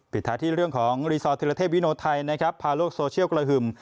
ท้ายที่เรื่องของรีสอร์ทธิรเทพวิโนไทยนะครับพาโลกโซเชียลกระหึ่ม